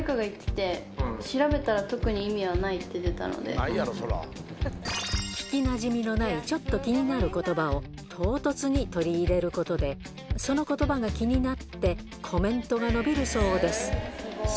誰かが言ってて、調べたら、聞きなじみのないちょっと気になることばを、唐突に取り入れることで、そのことばが気になって、コメントが伸びるそうです。